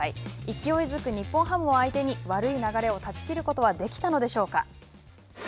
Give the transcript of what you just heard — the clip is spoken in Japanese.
勢いづく日本ハムを相手に悪い流れを断ち切ることはできたのでしょうか。